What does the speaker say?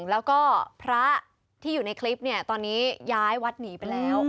แล้วก็พระที่อยู่ในคลิปเนี่ยตอนนี้ย้ายวัดหนีไปแล้ว